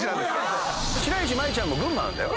白石麻衣ちゃんも群馬なんだよ。